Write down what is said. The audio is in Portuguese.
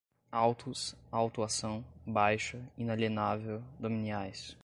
autos, autuação, baixa, inalienável, dominiais